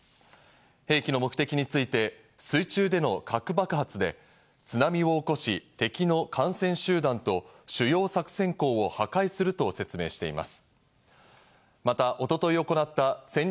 兵器の目的について、水中での核爆発で津波を起こし、敵の艦船集団と、主要作戦港を破壊すると説明しています。